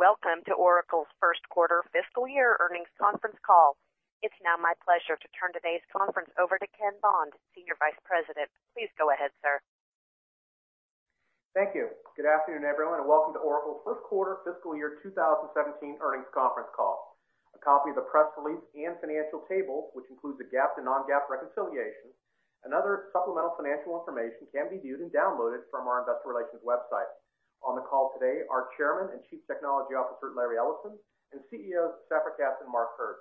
Welcome to Oracle's first quarter fiscal year earnings conference call. It's now my pleasure to turn today's conference over to Ken Bond, Senior Vice President. Please go ahead, sir. Thank you. Good afternoon, everyone, and welcome to Oracle's first quarter fiscal year 2017 earnings conference call. A copy of the press release and financial table, which includes a GAAP and non-GAAP reconciliation, and other supplemental financial information can be viewed and downloaded from our investor relations website. On the call today are Chairman and Chief Technology Officer, Larry Ellison, and CEO, Safra Catz, and Mark Hurd.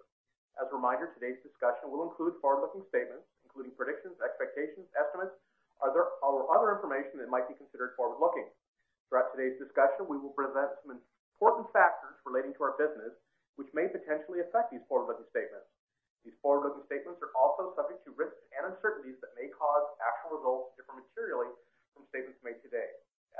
As a reminder, today's discussion will include forward-looking statements, including predictions, expectations, estimates, or other information that might be considered forward-looking. Throughout today's discussion, we will present some important factors relating to our business, which may potentially affect these forward-looking statements. These forward-looking statements are also subject to risks and uncertainties that may cause actual results to differ materially from statements made today.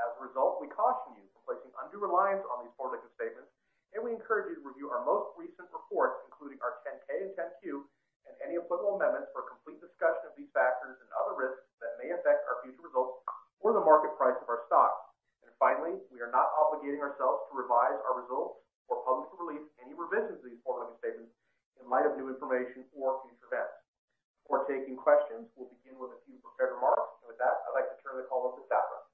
As a result, we caution you from placing undue reliance on these forward-looking statements, and we encourage you to review our most recent reports, including our 10-K and 10-Q, and any applicable amendments for a complete discussion of these factors and other risks that may affect our future results or the market price of our stock. Finally, we are not obligating ourselves to revise our results or publicly release any revisions to these forward-looking statements in light of new information or future events. Before taking questions, we'll begin with a few prepared remarks. With that, I'd like to turn the call over to Safra.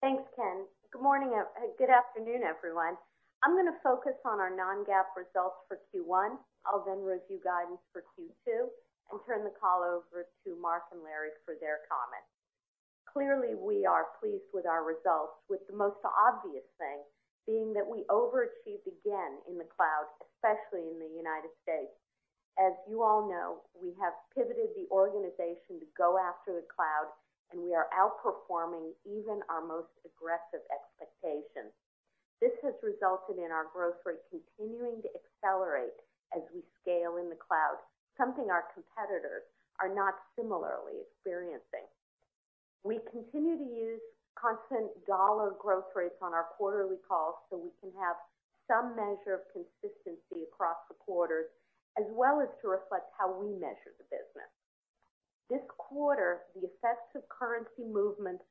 Thanks, Ken. Good afternoon, everyone. I'm going to focus on our non-GAAP results for Q1. I'll then review guidance for Q2 and turn the call over to Mark and Larry for their comments. Clearly, we are pleased with our results, with the most obvious thing being that we overachieved again in the cloud, especially in the United States. As you all know, we have pivoted the organization to go after the cloud, and we are outperforming even our most aggressive expectations. This has resulted in our growth rate continuing to accelerate as we scale in the cloud, something our competitors are not similarly experiencing. We continue to use constant dollar growth rates on our quarterly calls so we can have some measure of consistency across the quarters, as well as to reflect how we measure the business. This quarter, the effects of currency movements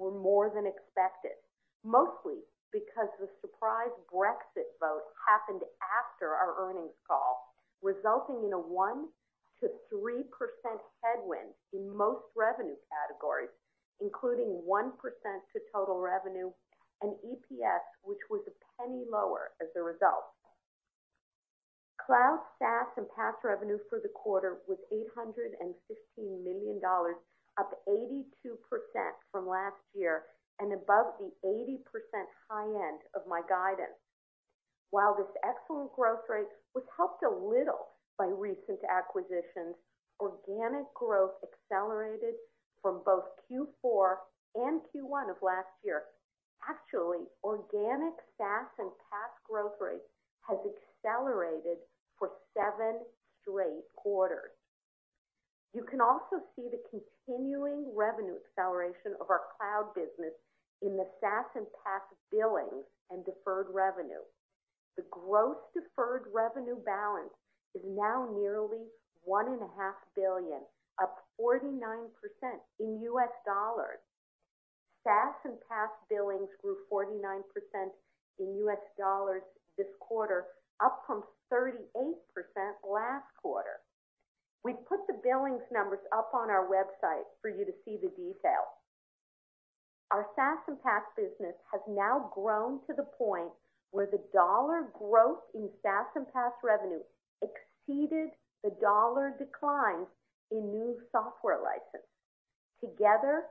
were more than expected, mostly because the surprise Brexit vote happened after our earnings call, resulting in a 1%-3% headwind in most revenue categories, including 1% to total revenue and EPS, which was $0.01 lower as a result. Cloud SaaS and PaaS revenue for the quarter was $815 million, up 82% from last year and above the 80% high end of my guidance. While this excellent growth rate was helped a little by recent acquisitions, organic growth accelerated from both Q4 and Q1 of last year. Actually, organic SaaS and PaaS growth rate has accelerated for seven straight quarters. You can also see the continuing revenue acceleration of our cloud business in the SaaS and PaaS billings and deferred revenue. The gross deferred revenue balance is now nearly $1.5 billion, up 49% in U.S. dollars. SaaS and PaaS billings grew 49% in U.S. dollars this quarter, up from 38% last quarter. We've put the billings numbers up on our website for you to see the details. Our SaaS and PaaS business has now grown to the point where the dollar growth in SaaS and PaaS revenue exceeded the dollar decline in new software license. Together,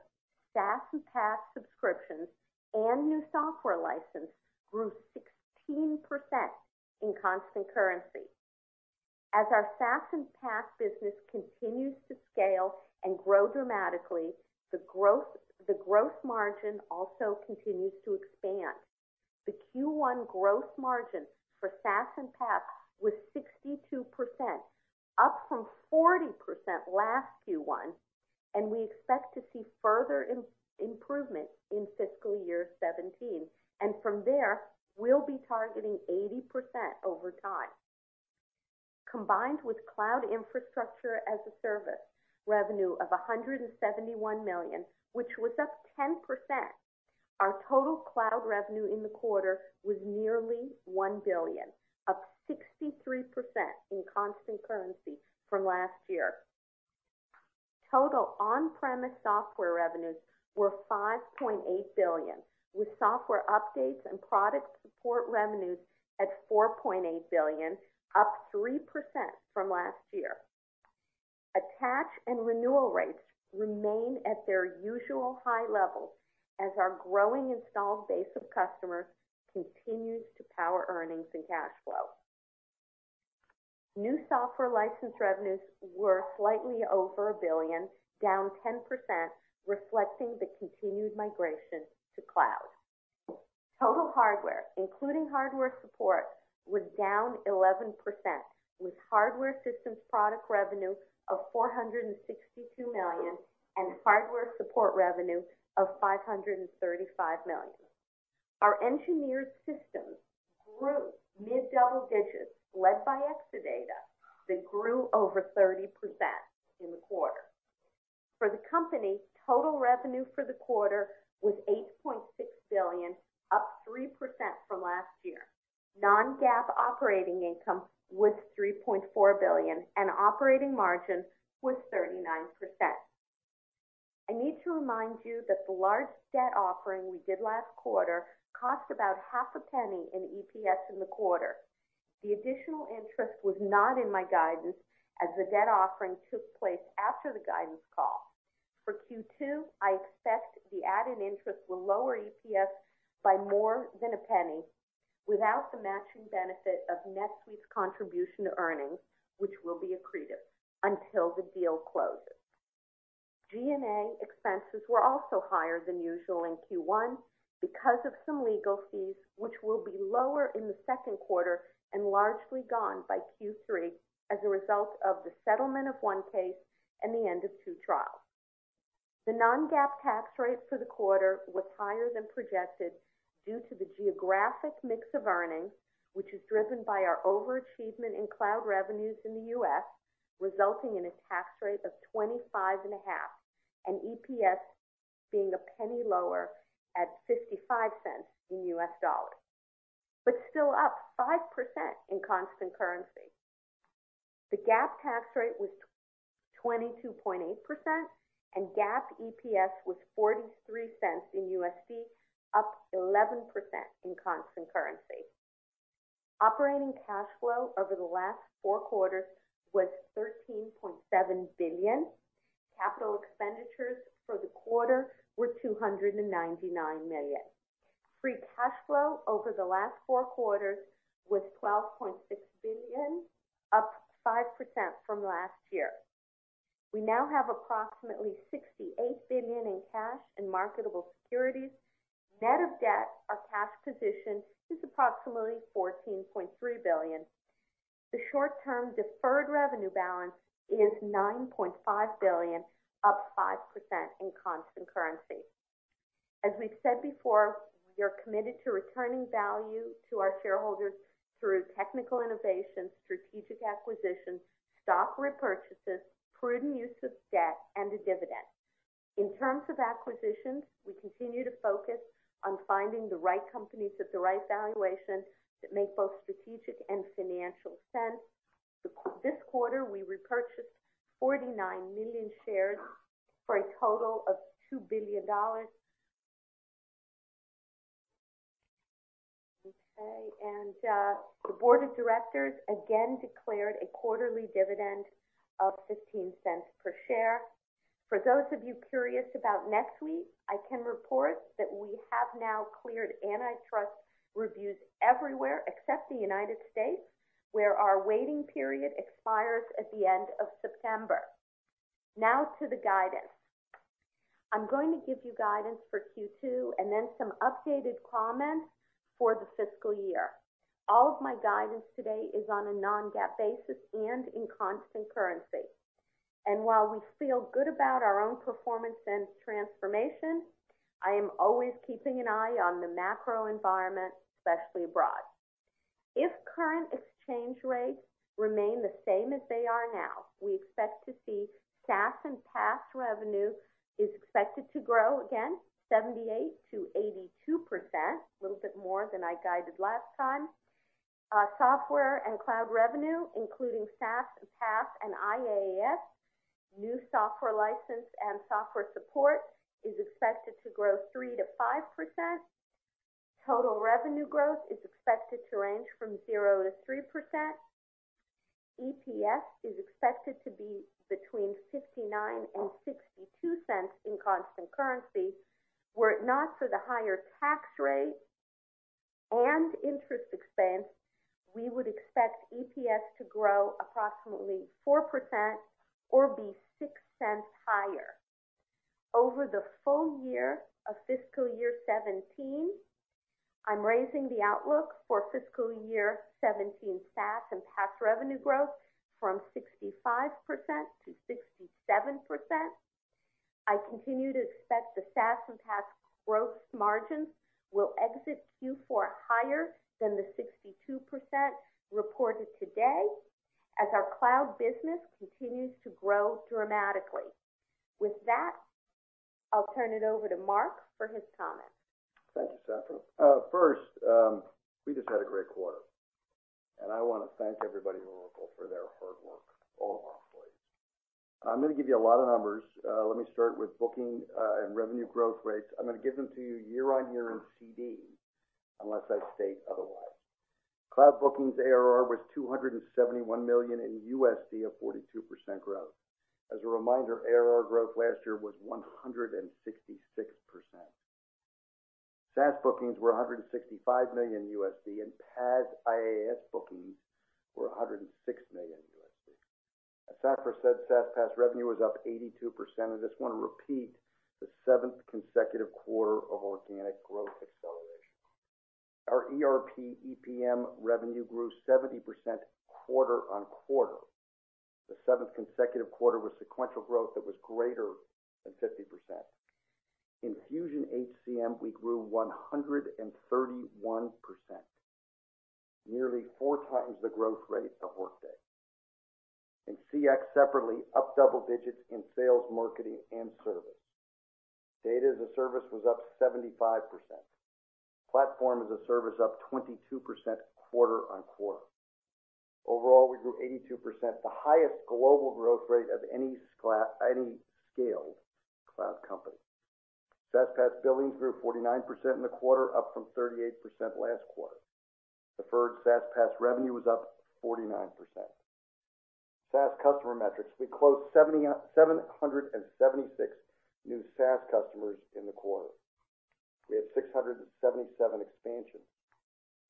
SaaS and PaaS subscriptions and new software license grew 16% in constant currency. As our SaaS and PaaS business continues to scale and grow dramatically, the growth margin also continues to expand. The Q1 growth margin for SaaS and PaaS was 62%, up from 40% last Q1, and we expect to see further improvement in fiscal year 2017. From there, we'll be targeting 80% over time. Combined with cloud infrastructure as a service revenue of $171 million, which was up 10%, our total cloud revenue in the quarter was nearly $1 billion, up 63% in constant currency from last year. Total on-premise software revenues were $5.8 billion, with software updates and product support revenues at $4.8 billion, up 3% from last year. Attach and renewal rates remain at their usual high levels as our growing installed base of customers continues to power earnings and cash flow. New software license revenues were slightly over $1 billion, down 10%, reflecting the continued migration to cloud. Total hardware, including hardware support, was down 11%, with hardware systems product revenue of $462 million and hardware support revenue of $535 million. Our engineered systems grew mid-double digits, led by Exadata that grew over 30% in the quarter. For the company, total revenue for the quarter was $8.6 billion, up 3% from last year. non-GAAP operating income was $3.4 billion, and operating margin was 39%. I need to remind you that the large debt offering we did last quarter cost about half a penny in EPS in the quarter. The additional interest was not in my guidance, as the debt offering took place after the guidance call. For Q2, I expect the added interest will lower EPS by more than $0.01, without the matching benefit of NetSuite's contribution to earnings, which will be accretive until the deal closes. G&A expenses were also higher than usual in Q1 because of some legal fees, which will be lower in the second quarter and largely gone by Q3 as a result of the settlement of one case and the end of two trials. The non-GAAP tax rate for the quarter was higher than projected due to the geographic mix of earnings, which is driven by our overachievement in cloud revenues in the U.S., resulting in a tax rate of 25.5%, and EPS being a penny lower at $0.55, but still up 5% in constant currency. The GAAP tax rate was 22.8%, and GAAP EPS was $0.43, up 11% in constant currency. Operating cash flow over the last four quarters was $13.7 billion. Capital expenditures for the quarter were $299 million. Free cash flow over the last four quarters was $12.6 billion, up 5% from last year. We now have approximately $68 billion in cash and marketable securities. Net of debt, our cash position is approximately $14.3 billion. The short-term deferred revenue balance is $9.5 billion, up 5% in constant currency. As we've said before, we are committed to returning value to our shareholders through technical innovations, strategic acquisitions, stock repurchases, prudent use of debt, and a dividend. In terms of acquisitions, we continue to focus on finding the right companies at the right valuation that make both strategic and financial sense. This quarter, we repurchased 49 million shares for a total of $2 billion. The board of directors again declared a quarterly dividend of $0.15 per share. For those of you curious about NetSuite, I can report that we have now cleared antitrust reviews everywhere except the U.S., where our waiting period expires at the end of September. Now to the guidance. I'm going to give you guidance for Q2 and then some updated comments for the fiscal year. All of my guidance today is on a non-GAAP basis and in constant currency. While we feel good about our own performance and transformation, I am always keeping an eye on the macro environment, especially abroad. If current exchange rates remain the same as they are now, we expect to see SaaS and PaaS revenue is expected to grow again 78%-82%, a little bit more than I guided last time. Software and cloud revenue, including SaaS, PaaS, and IaaS, new software license and software support, is expected to grow 3%-5%. Total revenue growth is expected to range from 0%-3%. EPS is expected to be between $0.59 and $0.62 in constant currency. Were it not for the higher tax rate and interest expense, we would expect EPS to grow approximately 4% or be $0.06 higher. Over the full year of fiscal year 2017, I'm raising the outlook for fiscal year 2017 SaaS and PaaS revenue growth from 65%-67%. I continue to expect the SaaS and PaaS growth margins will exit Q4 higher than the 62% reported today as our cloud business continues to grow dramatically. With that, I'll turn it over to Mark for his comments. Thank you, Safra. First, we just had a great quarter, and I want to thank everybody at Oracle for their hard work, all of our employees. I'm going to give you a lot of numbers. Let me start with booking and revenue growth rates. I'm going to give them to you year-on-year in CC, unless I state otherwise. Cloud bookings ARR was $271 million of 42% growth. As a reminder, ARR growth last year was 166%. SaaS bookings were $165 million, and PaaS IaaS bookings were $106 million. As Safra said, SaaS PaaS revenue was up 82%, and I just want to repeat the seventh consecutive quarter of organic growth acceleration. Our ERP/EPM revenue grew 70% quarter-on-quarter. The seventh consecutive quarter was sequential growth that was greater than 50%. In Fusion HCM, we grew 131%. Nearly four times the growth rate of Workday. CX separately up double digits in sales, marketing, and service. Data as a service was up 75%. Platform as a service up 22% quarter-on-quarter. Overall, we grew 82%, the highest global growth rate of any scaled cloud company. SaaS PaaS billings grew 49% in the quarter, up from 38% last quarter. Deferred SaaS PaaS revenue was up 49%. SaaS customer metrics, we closed 776 new SaaS customers in the quarter. We had 677 expansions,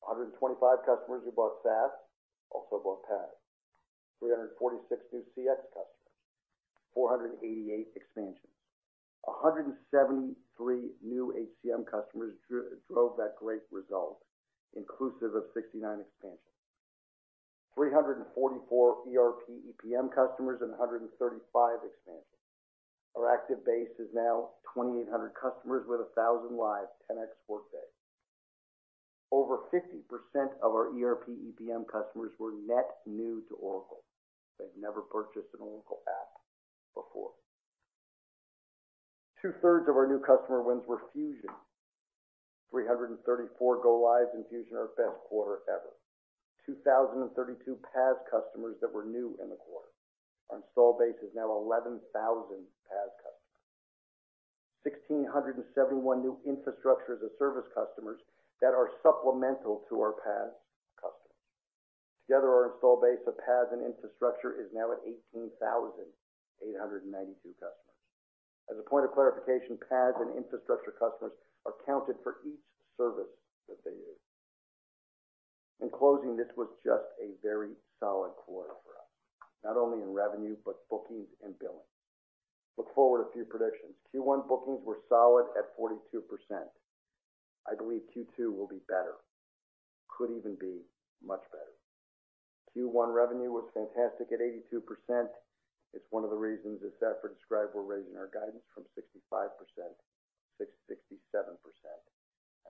125 customers who bought SaaS also bought PaaS. 346 new CX customers, 488 expansions. 173 new HCM customers drove that great result, inclusive of 69 expansions. 344 ERP/EPM customers and 135 expansions. Our active base is now 2,800 customers with 1,000 lives, 10X Workday. Over 50% of our ERP/EPM customers were net new to Oracle. They'd never purchased an Oracle app before. Two-thirds of our new customer wins were Fusion. 334 go lives in Fusion, our best quarter ever. 2,032 PaaS customers that were new in the quarter. Our install base is now 11,000 PaaS customers. 1,671 new infrastructure as a service customers that are supplemental to our PaaS customers. Together, our install base of PaaS and infrastructure is now at 18,892 customers. As a point of clarification, PaaS and infrastructure customers are counted for each service that they use. In closing, this was just a very solid quarter for us, not only in revenue, but bookings and billing. Look forward a few predictions. Q1 bookings were solid at 42%. I believe Q2 will be better, could even be much better. Q1 revenue was fantastic at 82%. It's one of the reasons, as Safra described, we're raising our guidance from 65%-67%.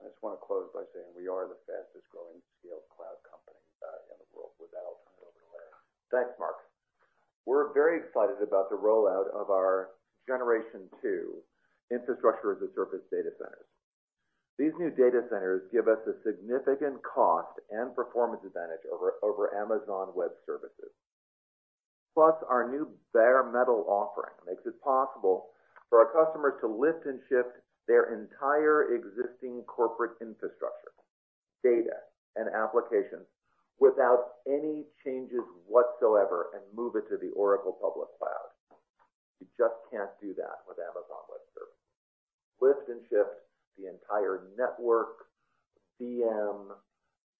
I just want to close by saying we are the fastest growing scaled cloud company in the world. With that, I'll turn it over to Larry. Thanks, Mark. We're very excited about the rollout of our generation 2 infrastructure as a service data centers. These new data centers give us a significant cost and performance advantage over Amazon Web Services. Plus, our new bare metal offering makes it possible for our customers to lift and shift their entire existing corporate infrastructure, data, and applications without any changes whatsoever and move it to the Oracle Public Cloud. You just can't do that with Amazon Web Services. Lift and shift the entire network, VM,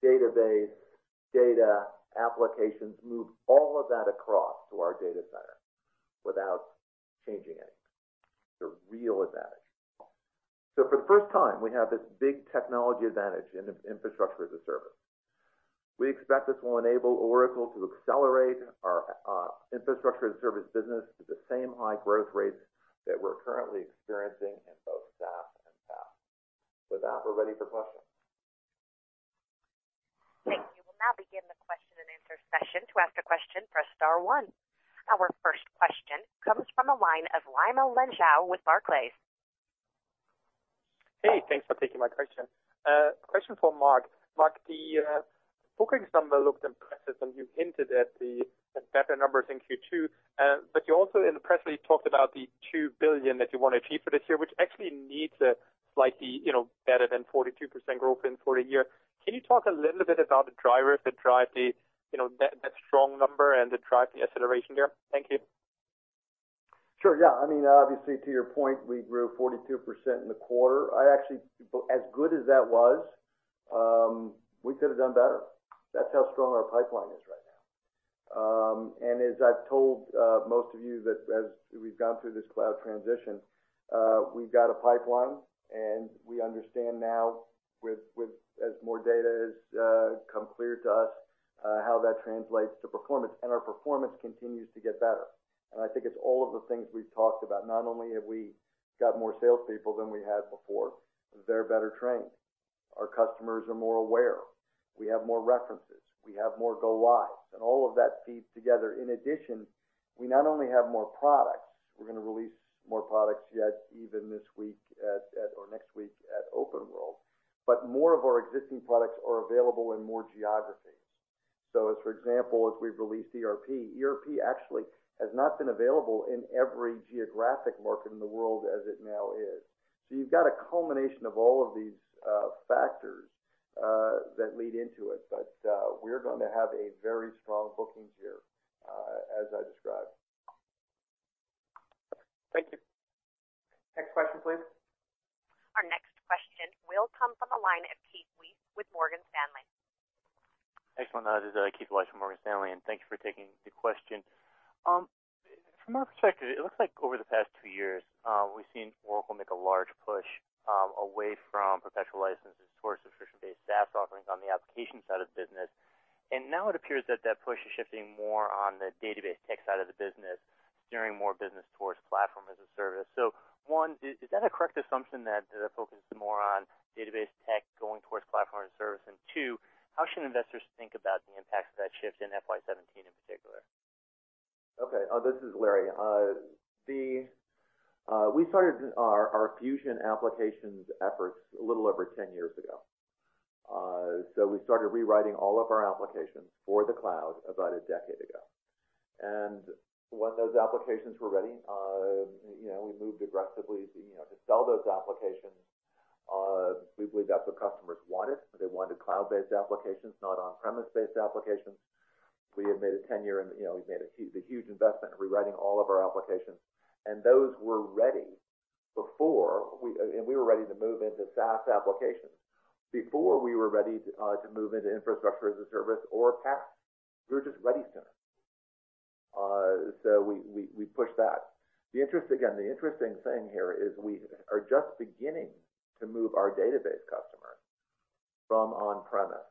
database, data, applications, move all of that across to our data center without changing anything. It's a real advantage. For the first time, we have this big technology advantage in infrastructure as a service. We expect this will enable Oracle to accelerate our infrastructure as a service business to the same high growth rates that we're currently experiencing in both SaaS and PaaS. With that, we're ready for questions. Thank you. We'll now begin the question and answer session. To ask a question, press star 1. Our first question comes from the line of Raimo Lenschow with Barclays. Hey, thanks for taking my question. Question for Mark. Mark, the bookings number looked impressive, and you hinted at the better numbers in Q2. You also in the press release talked about the $2 billion that you want to achieve for this year, which actually needs a slightly better than 42% growth in for the year. Can you talk a little bit about the drivers that drive that strong number and that drive the acceleration there? Thank you. Sure. Yeah. Obviously, to your point, we grew 42% in the quarter. As good as that was, we could've done better. That's how strong our pipeline is right now. As I've told most of you that as we've gone through this cloud transition, we've got a pipeline, and we understand now as more data has come clear to us, how that translates to performance. Our performance continues to get better. I think it's all of the things we've talked about. Not only have we got more salespeople than we had before, they're better trained. Our customers are more aware. We have more references. We have more go lives. All of that feeds together. In addition, we not only have more products, we're going to release more products yet even this week or next week at Oracle OpenWorld. More of our existing products are available in more geographies. As, for example, as we've released ERP actually has not been available in every geographic market in the world as it now is. You've got a culmination of all of these factors that lead into it. We're going to have a very strong bookings year, as I described. Thank you. Next question, please. Our next question will come from the line of Keith Weiss with Morgan Stanley. Thanks, Ken. This is Keith Weiss from Morgan Stanley. Thank you for taking the question. From our perspective, it looks like over the past two years, we've seen Oracle make a large push away from perpetual licenses towards subscription-based SaaS offerings on the application side of the business. Now it appears that push is shifting more on the database tech side of the business, steering more business towards platform as a service. One, is that a correct assumption, that the focus is more on database tech going towards platform as a service? Two, how should investors think about the impacts of that shift in FY 2017 in particular? Okay. This is Larry. We started our Fusion Applications efforts a little over 10 years ago. We started rewriting all of our applications for the cloud about a decade ago. When those applications were ready, we moved aggressively to sell those applications. We believe that's what customers wanted. They wanted cloud-based applications, not on-premise based applications. We had made a huge investment in rewriting all of our applications. We were ready to move into SaaS applications before we were ready to move into infrastructure as a service or PaaS. We were just ready sooner. We pushed that. Again, the interesting thing here is we are just beginning to move our database customers from on-premise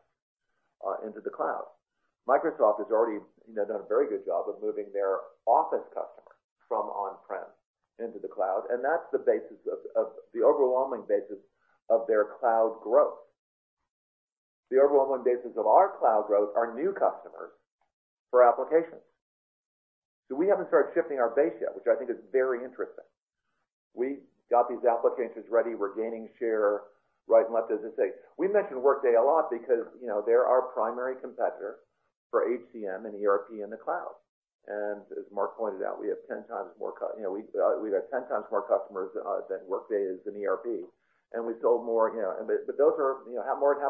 into the cloud. Microsoft has already done a very good job of moving their Office customers from on-prem into the cloud, that's the overwhelming basis of their cloud growth. The overwhelming basis of our cloud growth are new customers for applications. We haven't started shifting our base yet, which I think is very interesting. We got these applications ready. We're gaining share right and left as they say. We mention Workday a lot because they're our primary competitor for HCM and ERP in the cloud. As Mark pointed out, we have 10 times more customers than Workday has in ERP, and more than half of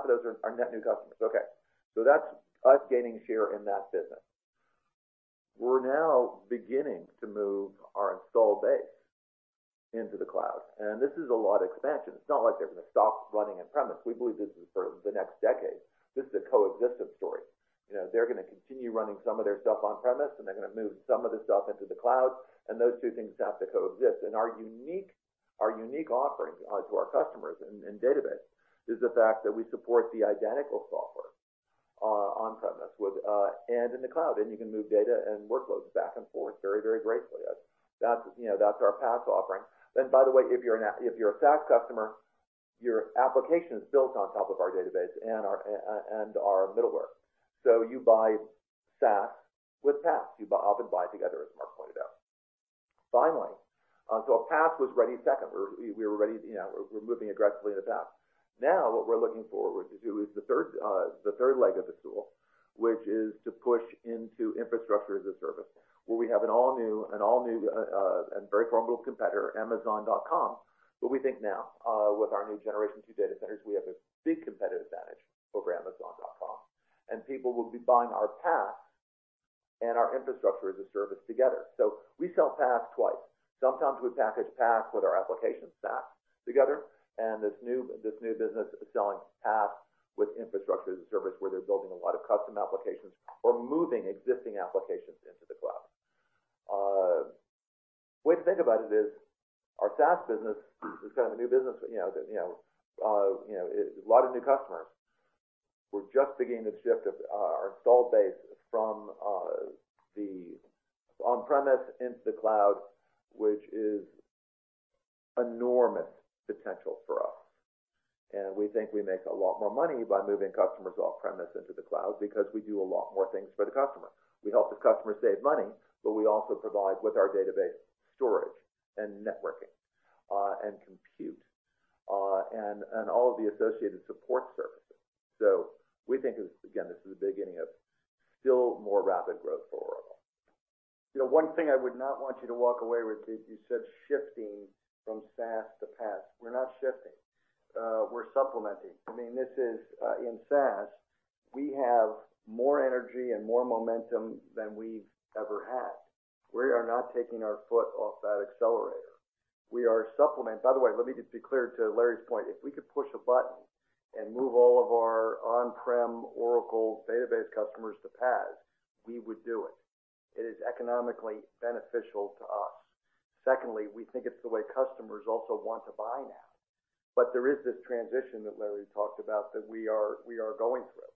those are our net new customers. Okay, that's us gaining share in that business. We're now beginning to move our install base into the cloud, this is a lot expansion. It's not like they're going to stop running on-premise. We believe this is for the next decade. This is a coexistent story. They're going to continue running some of their stuff on-premise, and they're going to move some of the stuff into the cloud, and those two things have to coexist. Our unique offering to our customers in database is the fact that we support the identical software on-premise and in the cloud, and you can move data and workloads back and forth very gracefully. That's our PaaS offering. By the way, if you're a SaaS customer, your application is built on top of our database and our middleware. You buy SaaS with PaaS. You often buy together, as Mark pointed out. Finally, PaaS was ready second. We're moving aggressively into PaaS. What we're looking forward to do is the third leg of the stool, which is to push into infrastructure as a service, where we have an all new and very formidable competitor, Amazon.com. We think now, with our new generation two data centers, we have a big competitive advantage over Amazon.com, and people will be buying our PaaS and our infrastructure as a service together. We sell PaaS twice. Sometimes we package PaaS with our application, SaaS, together, and this new business is selling PaaS with infrastructure as a service, where they're building a lot of custom applications or moving existing applications into the cloud. Way to think about it is our SaaS business is kind of a new business, a lot of new customers. We're just beginning to shift our install base from the on-premise into the cloud, which is enormous potential for us. We think we make a lot more money by moving customers off premise into the cloud because we do a lot more things for the customer. We help the customer save money, but we also provide with our database storage and networking, and compute, and all of the associated support services. We think, again, this is the beginning of still more rapid growth for Oracle. One thing I would not want you to walk away with is, you said shifting from SaaS to PaaS. We're not shifting. We're supplementing. In SaaS, we have more energy and more momentum than we've ever had. We are not taking our foot off that accelerator. We are supplement. By the way, let me just be clear to Larry's point. If we could push a button and move all of our on-prem Oracle database customers to PaaS, we would do it. It is economically beneficial to us. Secondly, we think it's the way customers also want to buy now. There is this transition that Larry talked about that we are going through.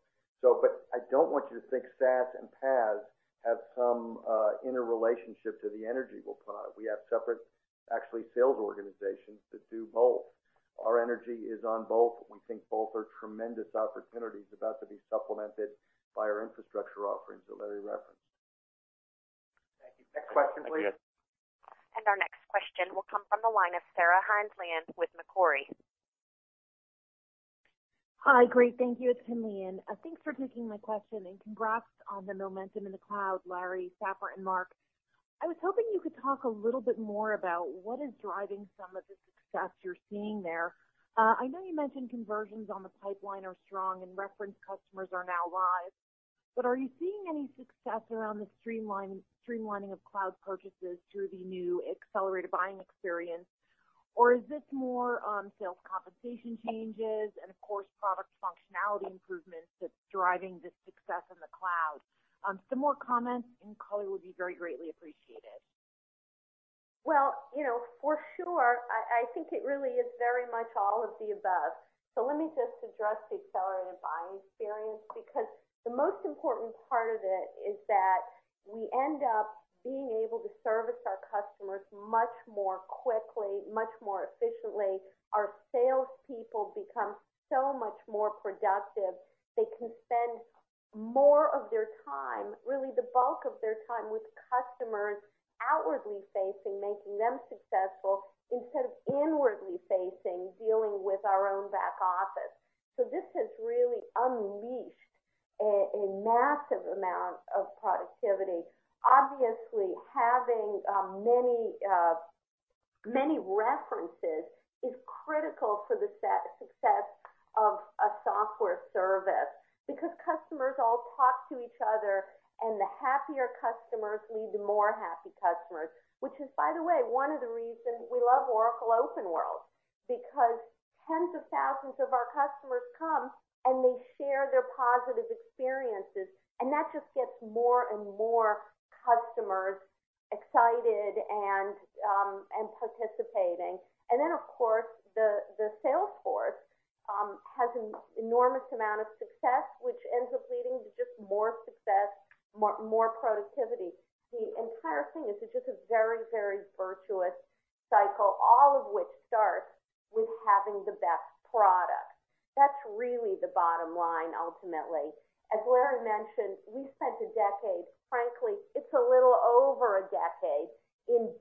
I don't want you to think SaaS and PaaS have some interrelationship to the energy we'll put on it. We have separate, actually, sales organizations that do both. Our energy is on both. We think both are tremendous opportunities about to be supplemented by our infrastructure offerings that Larry referenced. Thank you. Next question, please. Our next question will come from the line of Sarah Hindlian with Macquarie. Hi. Great. Thank you. It's Hindlian. Thanks for taking my question. Congrats on the momentum in the cloud, Larry, Safra, and Mark. I was hoping you could talk a little bit more about what is driving some of the success you're seeing there. I know you mentioned conversions on the pipeline are strong and reference customers are now live, but are you seeing any success around the streamlining of cloud purchases through the new accelerated buying experience? Is this more on sales compensation changes and, of course, product functionality improvements that's driving this success in the cloud? Some more comments and color would be very greatly appreciated. For sure, I think it really is very much all of the above. Let me just address the accelerated buying experience, because the most important part of it is that we end up being able to service our customers much more quickly, much more efficiently. Our salespeople become so much more productive. They can spend more of their time, really the bulk of their time, with customers outwardly facing, making them successful, instead of inwardly facing, dealing with our own back office. This has really unleashed a massive amount of productivity. Obviously, having many references is critical for the success of a software service, because customers all talk to each other, and the happier customers lead to more happy customers. Which is, by the way, one of the reasons we love Oracle OpenWorld, because tens of thousands of our customers come and they share their positive experiences, and that just gets more and more customers excited and participating. Of course, the sales force has an enormous amount of success, which ends up leading to just more success, more productivity. The entire thing is just a very virtuous cycle, all of which starts with having the best product. That's really the bottom line, ultimately. As Larry mentioned, we spent a decade, frankly, it's a little over a decade,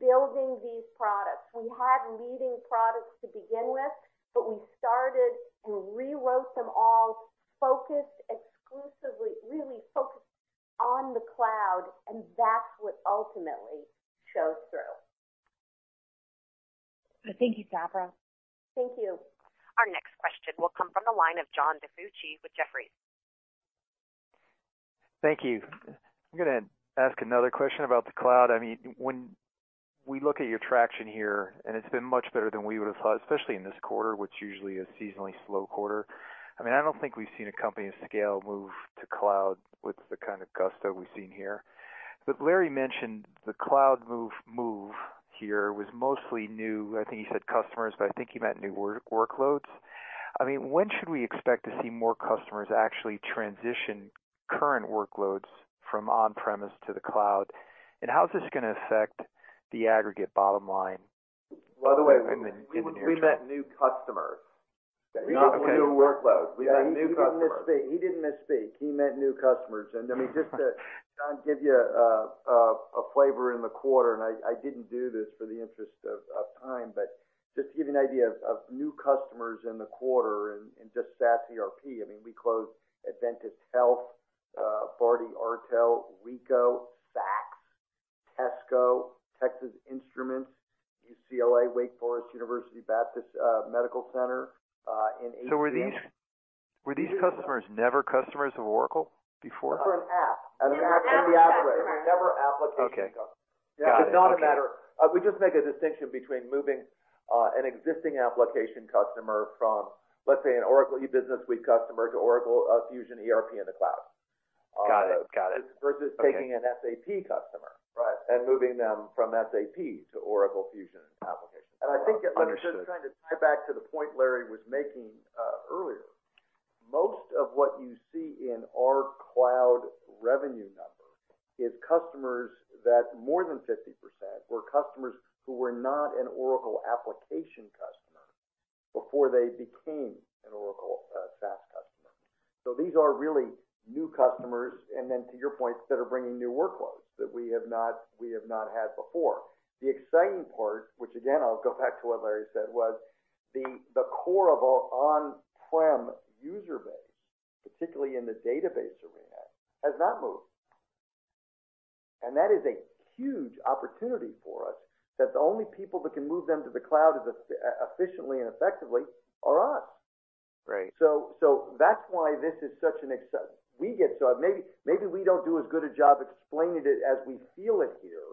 building these products. We had leading products to begin with, we started and rewrote them all, focused exclusively, really focused on the cloud, and that's what ultimately shows through. Thank you, Safra. Thank you. Our next question will come from the line of John DiFucci with Jefferies. Thank you. I'm going to ask another question about the cloud. When we look at your traction here, and it's been much better than we would've thought, especially in this quarter, which usually is a seasonally slow quarter. I don't think we've seen a company of scale move to cloud with the kind of gusto we've seen here. Larry mentioned the cloud move here was mostly new, I think he said customers, but I think he meant new workloads. When should we expect to see more customers actually transition current workloads from on-premise to the cloud? And how is this going to affect the aggregate bottom line in the near term? By the way, we meant new customers. Okay. Not new workloads. We meant new customers. He didn't misspeak. He meant new customers. Just to, John, give you a flavor in the quarter, and I didn't do this for the interest of time, but just to give you an idea of new customers in the quarter in just SaaS ERP, we closed Adventist Health, Bharti Airtel, Ricoh, Saks, Tesco, Texas Instruments, UCLA, Wake Forest University Baptist Medical Center, and AT&T. Were these customers never customers of Oracle before? For an app. For an app. They were never application customers. Okay. Got it. It's not a matter. We just make a distinction between moving an existing application customer from, let's say, an Oracle E-Business Suite customer to Oracle Fusion ERP in the cloud. Got it. Versus taking an SAP customer. Right. Moving them from SAP to Oracle Fusion applications. Understood. I think, just trying to tie it back to the point Larry was making earlier, most of what you see in our cloud revenue number is customers that more than 50% were customers who were not an Oracle application customer before they became an Oracle SaaS customer. These are really new customers, and then to your point, that are bringing new workloads that we have not had before. The exciting part, which again, I'll go back to what Larry said, was the core of our on-prem user base, particularly in the database arena, has not moved. That is a huge opportunity for us, that the only people that can move them to the cloud as efficiently and effectively are us. Right. That's why this is such an exciting. Maybe we don't do as good a job explaining it as we feel it here,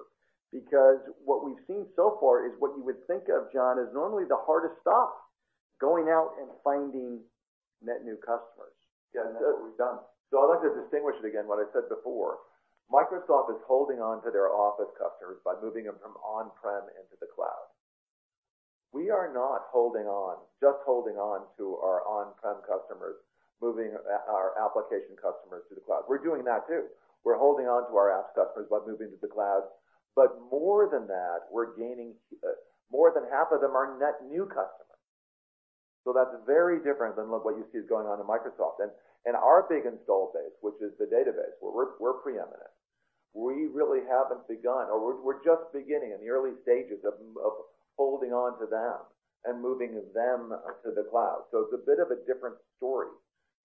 because what we've seen so far is what you would think of, John, as normally the hardest stop, going out and finding net new customers. Yeah. That is what we've done. I'd like to distinguish it again, what I said before. Microsoft is holding on to their Office customers by moving them from on-prem into the cloud. We are not just holding on to our on-prem customers, moving our application customers to the cloud. We're doing that too. We're holding on to our app customers by moving to the cloud. More than that, we're gaining, more than half of them are net new customers. That's very different than what you see is going on in Microsoft. Our big install base, which is the database, we're preeminent. We really haven't begun, or we're just beginning in the early stages of holding onto them and moving them to the cloud. It's a bit of a different story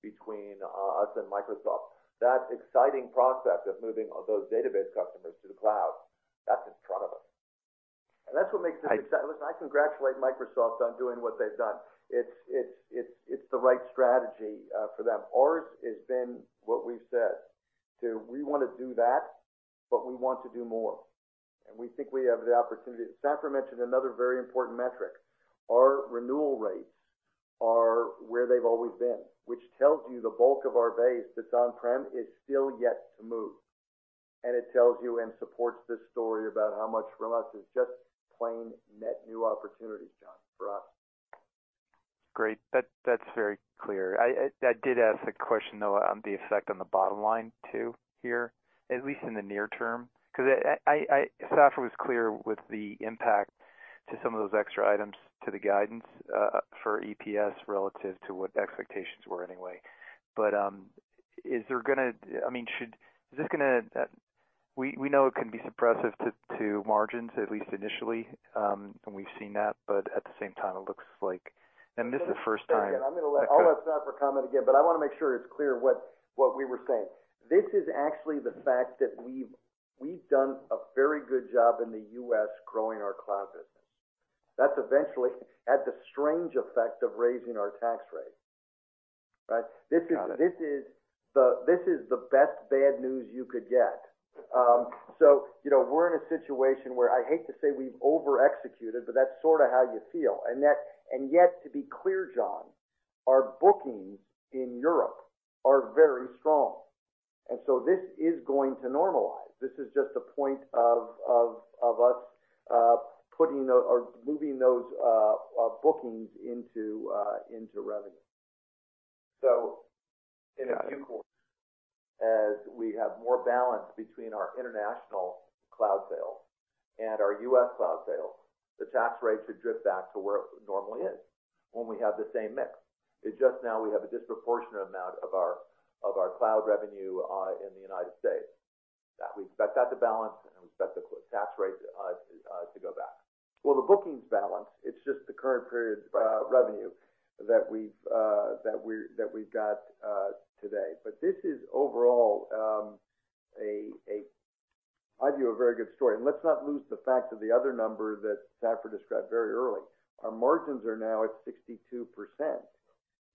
between us and Microsoft. That exciting process of moving those database customers to the cloud, that's in front of us. That's what makes it exciting. Listen, I congratulate Microsoft on doing what they've done. It's the right strategy for them. Ours has been what we've said, to we want to do that, but we want to do more. We think we have the opportunity. Safra mentioned another very important metric. Our renewal rates Are where they've always been. Which tells you the bulk of our base that's on-prem is still yet to move. It tells you and supports this story about how much for us is just plain net new opportunities, John, for us. Great. That's very clear. I did ask the question, though, on the effect on the bottom line too here, at least in the near term, because Safra was clear with the impact to some of those extra items to the guidance for EPS relative to what the expectations were anyway. We know it can be suppressive to margins, at least initially, and we've seen that, but at the same time, it looks like This is the first time. I'm going to let Safra comment again, but I want to make sure it's clear what we were saying. This is actually the fact that we've done a very good job in the U.S. growing our cloud business. That's eventually had the strange effect of raising our tax rate, right? Got it. This is the best bad news you could get. We're in a situation where I hate to say we've over-executed, but that's sort of how you feel. Yet, to be clear, John, our bookings in Europe are very strong. This is going to normalize. This is just a point of us putting or moving those bookings into revenue. In a few quarters, as we have more balance between our international cloud sales and our U.S. cloud sales, the tax rate should drift back to where it normally is when we have the same mix. It's just now we have a disproportionate amount of our cloud revenue in the United States. We expect that to balance, and we expect the tax rate to go back. Well, the bookings balance. It's just the current period's revenue that we've got today. This is overall, I view, a very good story. Let's not lose the fact that the other number that Safra described very early. Our margins are now at 62%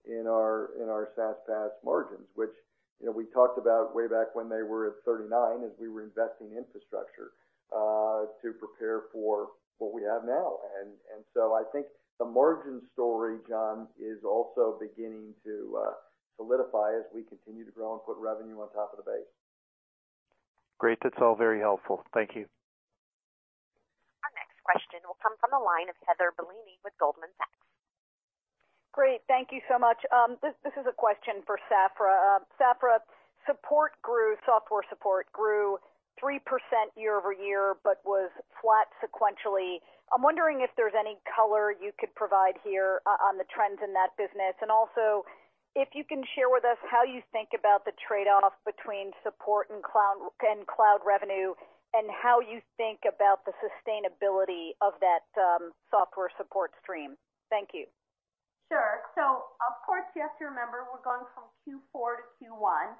in our SaaS, PaaS margins, which we talked about way back when they were at 39% as we were investing in infrastructure to prepare for what we have now. I think the margin story, John, is also beginning to solidify as we continue to grow and put revenue on top of the base. Great. That's all very helpful. Thank you. Our next question will come from the line of Heather Bellini with Goldman Sachs. Great. Thank you so much. This is a question for Safra. Safra, support grew, software support grew 3% year-over-year, was flat sequentially. I'm wondering if there's any color you could provide here on the trends in that business. Also, if you can share with us how you think about the trade-off between support and cloud revenue, and how you think about the sustainability of that software support stream. Thank you. Sure. Of course, you have to remember, we're going from Q4 to Q1.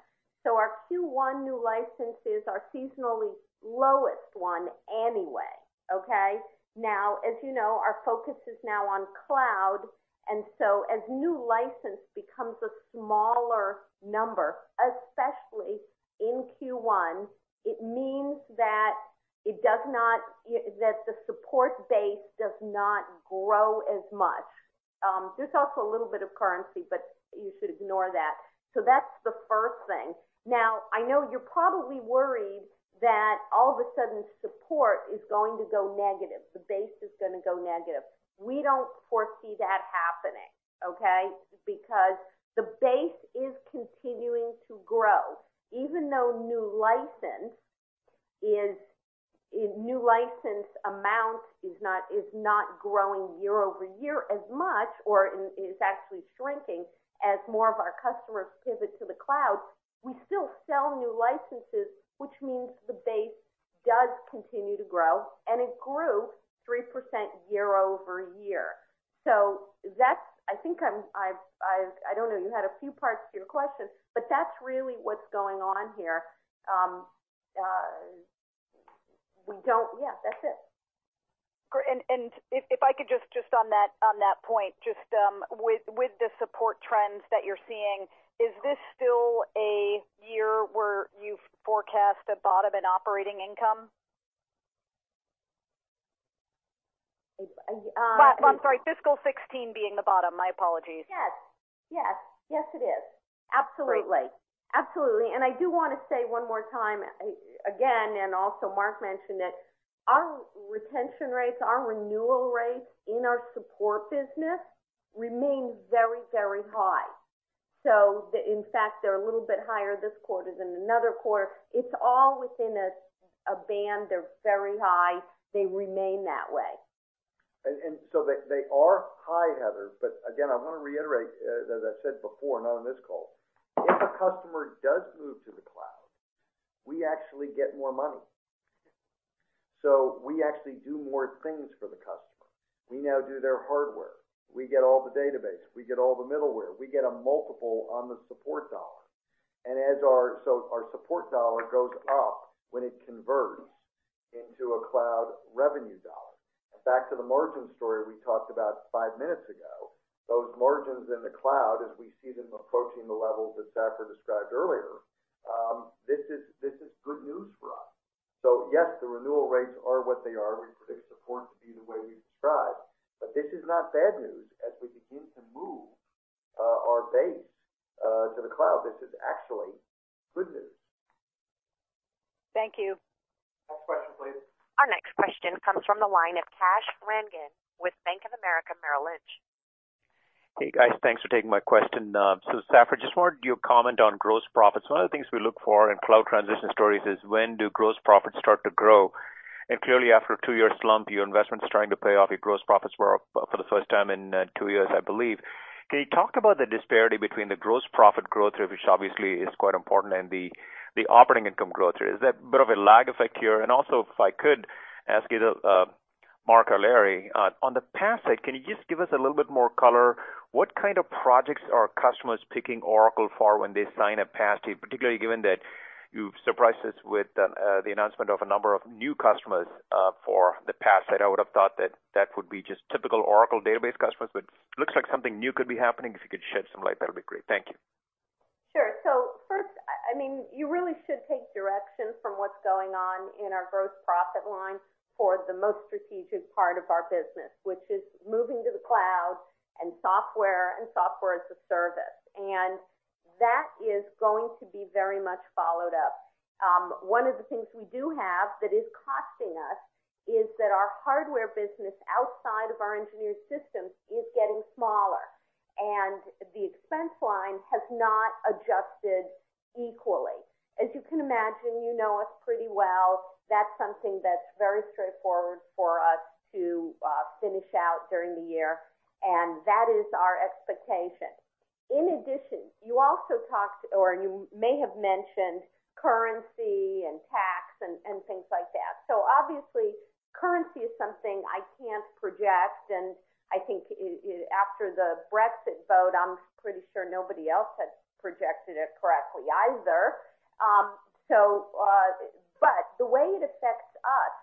Our Q1 new licenses are seasonally lowest one anyway. Okay? Now, as you know, our focus is now on cloud, as new license becomes a smaller number, especially in Q1, it means that the support base does not grow as much. There's also a little bit of currency, but you should ignore that. That's the first thing. Now, I know you're probably worried that all of a sudden support is going to go negative, the base is going to go negative. We don't foresee that happening, okay. Because the base is continuing to grow. Even though new license amount is not growing year-over-year as much or is actually shrinking as more of our customers pivot to the cloud, we still sell new licenses, which means the base does continue to grow, and it grew 3% year-over-year. I think, I don't know, you had a few parts to your question, but that's really what's going on here. Yeah, that's it. Great. If I could just on that point, just with the support trends that you're seeing, is this still a year where you forecast a bottom in operating income? It- I'm sorry, fiscal 2016 being the bottom. My apologies. Yes. Yes, it is. Absolutely. I do want to say one more time, again, and also Mark mentioned it, our retention rates, our renewal rates in our support business remain very, very high. In fact, they're a little bit higher this quarter than another quarter. It's all within a band. They're very high. They remain that way. They are high, Heather. Again, I want to reiterate, as I said before, not on this call, if a customer does move to the cloud, we actually get more money. We actually do more things for the customer. We now do their hardware. We get all the database. We get all the middleware. We get a multiple on the support dollar. Our support dollar goes up when it converts into a cloud revenue dollar. Back to the margin story we talked about five minutes ago, those margins in the cloud, as we see them approaching the levels that Safra described earlier, this is good news for us. Yes, the renewal rates are what they are. We predict support to be the way we've described. This is not bad news as we begin to move our base to the cloud. This is actually good news. Thank you. Next question, please. Our next question comes from the line of Kash Rangan with Bank of America Merrill Lynch. Hey, guys. Thanks for taking my question. Safra, just wondered your comment on gross profits. One of the things we look for in cloud transition stories is when do gross profits start to grow? Clearly, after a two-year slump, your investment's starting to pay off. Your gross profits were up for the first time in two years, I believe. Can you talk about the disparity between the gross profit growth rate, which obviously is quite important, and the operating income growth rate? Is that a bit of a lag effect here? Also, if I could ask either Mark or Larry, on the PaaS side, can you just give us a little bit more color? What kind of projects are customers picking Oracle for when they sign a PaaS deal, particularly given that you've surprised us with the announcement of a number of new customers for the PaaS side? I would've thought that that would be just typical Oracle database customers, but looks like something new could be happening. If you could shed some light, that'd be great. Thank you. First, you really should take direction from what's going on in our gross profit line for the most strategic part of our business, which is moving to the cloud and Software as a Service. That is going to be very much followed up. One of the things we do have that is costing us is that our hardware business outside of our engineered systems is getting smaller, and the expense line has not adjusted equally. As you can imagine, you know us pretty well. That's something that's very straightforward for us to finish out during the year, and that is our expectation. In addition, you also talked, or you may have mentioned currency and tax and things like that. Obviously, currency is something I can't project, and I think after the Brexit vote, I'm pretty sure nobody else has projected it correctly either. The way it affects us,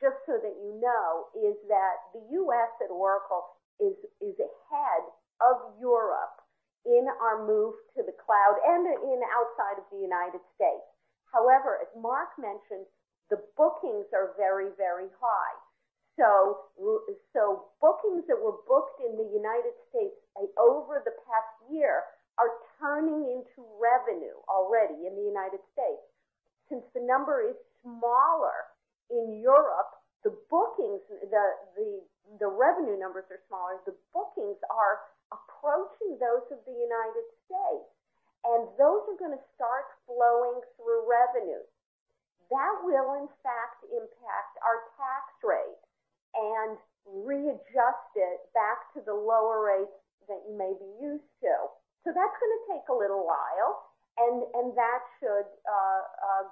just so that you know, is that the U.S. at Oracle is ahead of Europe in our move to the cloud and in outside of the United States. However, as Mark mentioned, the bookings are very, very high. Bookings that were booked in the United States over the past year are turning into revenue already in the United States. Since the number is smaller in Europe, the revenue numbers are smaller, the bookings are approaching those of the United States, and those are going to start flowing through revenue. That will, in fact, impact our tax rate and readjust it back to the lower rates that you may be used to. That's going to take a little while, and that should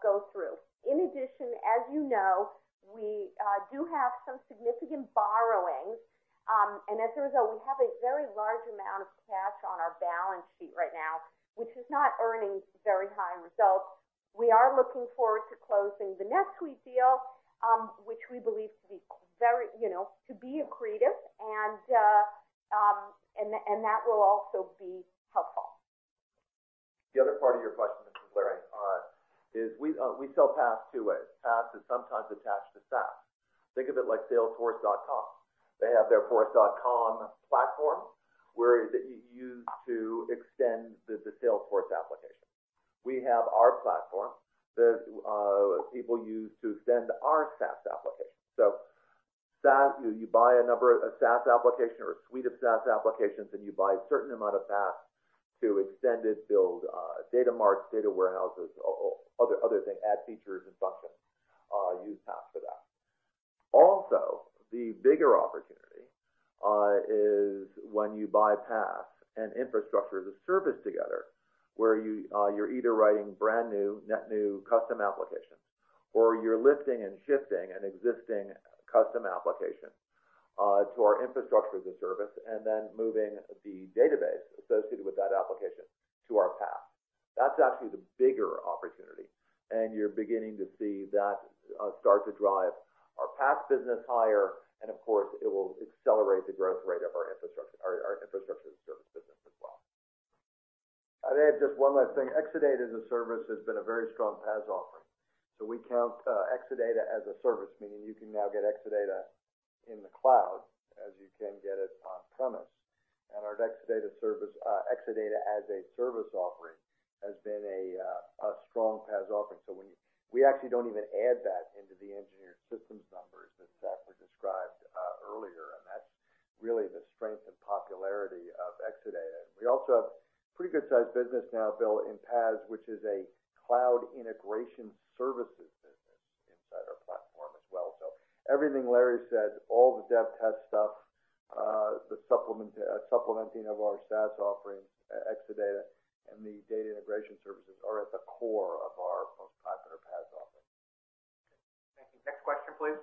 go through. In addition, as you know, we do have some significant borrowings. As a result, we have a very large amount of cash on our balance sheet right now, which is not earning very high results. We are looking forward to closing the NetSuite deal, which we believe to be accretive, and that will also be helpful. The other part of your question, Kash Rangan, is we sell PaaS two ways. PaaS is sometimes attached to SaaS. Think of it like salesforce.com. They have their Force.com platform where you use to extend the Salesforce application. We have our platform that people use to extend our SaaS application. You buy a number of SaaS application or a suite of SaaS applications, and you buy a certain amount of PaaS to extend it, build data marts, data warehouses, or other things, add features and functions. Use PaaS for that. Also, the bigger opportunity is when you buy PaaS and Infrastructure as a Service together, where you're either writing brand-new, net new custom applications, or you're lifting and shifting an existing custom application to our Infrastructure as a Service, and then moving the database associated with that application to our PaaS. That's actually the bigger opportunity, and you're beginning to see that start to drive our PaaS business higher, and of course, it will accelerate the growth rate of our infrastructure as a service business as well. I'd add just one last thing. Exadata as a service has been a very strong PaaS offering. We count Exadata as a service, meaning you can now get Exadata in the cloud as you can get it on-premise. Our Exadata as a service offering has been a strong PaaS offering. We actually don't even add that into the engineered systems numbers that Safra described earlier, and that's really the strength and popularity of Exadata. We also have pretty good-sized business now built in PaaS, which is a cloud integration services business inside our platform as well. Everything Larry said, all the dev test stuff, the supplementing of our SaaS offerings, Exadata, and the data integration services are at the core of our most popular PaaS offerings. Thank you. Next question, please.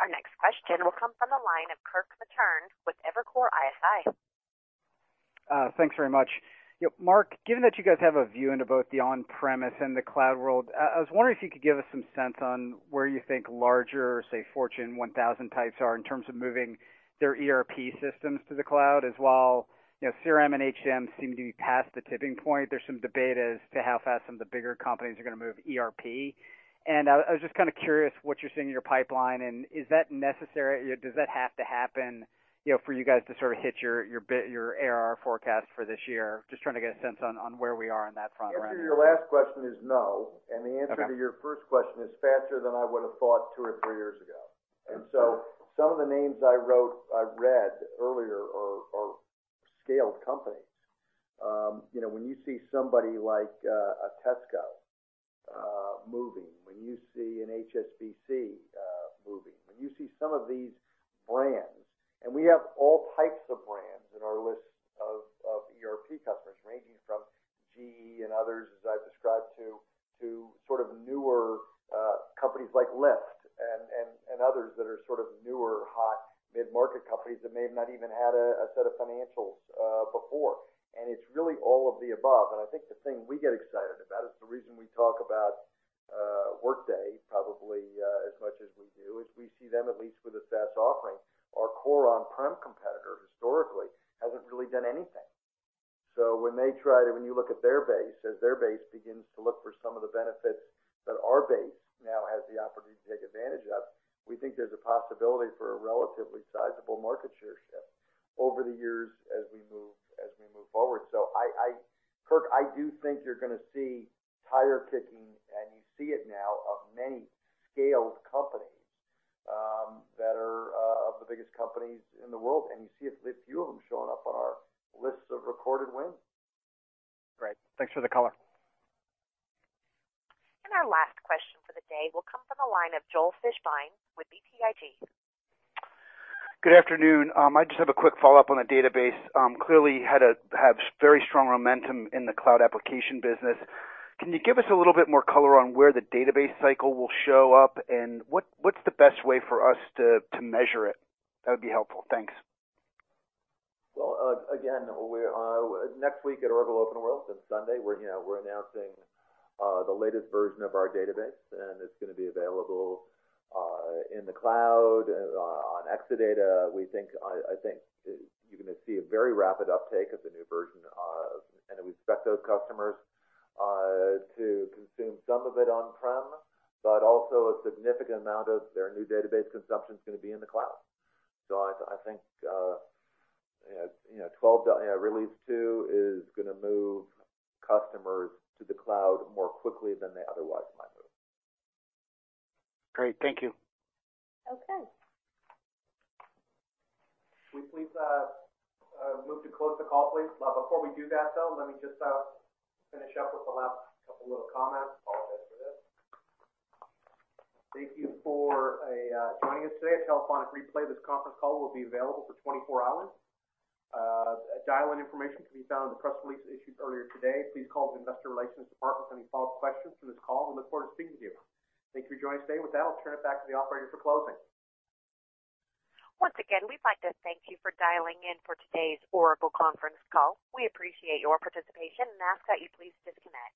Our next question will come from the line of Kirk Materne with Evercore ISI. Thanks very much. Mark, given that you guys have a view into both the on-premise and the cloud world, I was wondering if you could give us some sense on where you think larger, say, Fortune 1000 types are in terms of moving their ERP systems to the cloud, as well. CRM and HCM seem to be past the tipping point. There's some debate as to how fast some of the bigger companies are going to move ERP. I was just kind of curious what you're seeing in your pipeline, and is that necessary? Does that have to happen for you guys to sort of hit your ARR forecast for this year? Just trying to get a sense on where we are on that front right now. The answer to your last question is no. Okay. The answer to your first question is faster than I would've thought two or three years ago. Some of the names I read earlier are scaled companies. When you see somebody like a Tesco moving, when you see an HSBC moving, when you see some of these brands, and we have all types of brands in our list of ERP customers, ranging from GE and others, as I've described, to sort of newer companies like Lyft and others that are sort of newer, hot mid-market companies that may have not even had a set of financials before. It's really all of the above. I think the thing we get excited about is the reason we talk about Workday probably as much as we do, is we see them, at least with a SaaS offering, our core on-prem competitor historically hasn't really done anything. When you look at their base, as their base begins to look for some of the benefits that our base now has the opportunity to take advantage of, we think there's a possibility for a relatively sizable market share shift over the years as we move forward. Kirk, I do think you're going to see tire kicking, and you see it now of many scaled companies that are of the biggest companies in the world, and you see a few of them showing up on our lists of recorded wins. Great. Thanks for the color. Our last question for the day will come from the line of Joel Fishbein with BTIG. Good afternoon. I just have a quick follow-up on the database. Clearly you had to have very strong momentum in the cloud application business. Can you give us a little bit more color on where the database cycle will show up, and what's the best way for us to measure it? That would be helpful. Thanks. Again, next week at Oracle OpenWorld, it's Sunday, we're announcing the latest version of our database, and it's going to be available in the cloud on Exadata. I think you're going to see a very rapid uptake of the new version. We expect those customers to consume some of it on-prem, but also a significant amount of their new database consumption's going to be in the cloud. I think, Release 2 is going to move customers to the cloud more quickly than they otherwise might move. Great. Thank you. Okay. Can we please move to close the call, please? Before we do that, though, let me just finish up with the last couple little comments. Apologize for this. Thank you for joining us today. A telephonic replay of this conference call will be available for 24 hours. Dial-in information can be found in the press release issued earlier today. Please call the investor relations department with any follow-up questions from this call. We look forward to speaking to you. Thank you for joining us today. With that, I'll turn it back to the operator for closing. Once again, we'd like to thank you for dialing in for today's Oracle conference call. We appreciate your participation and ask that you please disconnect.